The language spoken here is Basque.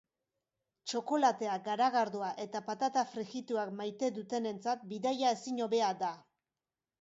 Txokolatea, garagardoa eta patata frijituak maite dutenentzat bidaia ezin hobea da.